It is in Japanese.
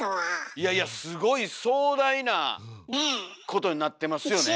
いやいやすごい壮大なことになってますよねえ。